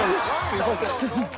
すいません。